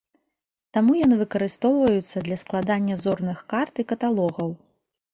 Таму яны выкарыстоўваюцца для складання зорных карт і каталогаў.